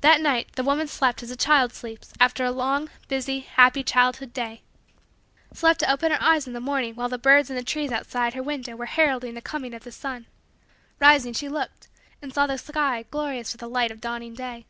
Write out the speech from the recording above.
That night the woman slept as a child sleeps after a long, busy, happy, childhood day slept to open her eyes in the morning while the birds in the trees outside her window were heralding the coming of the sun. Rising she looked and saw the sky glorious with the light of dawning day.